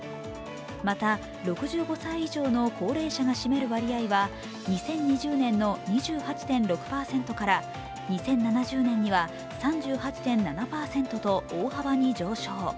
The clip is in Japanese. また、６５歳以上の高齢者が占める割合は２０２０年の２８．６％から２０７０年には３８．７％と大幅に上昇。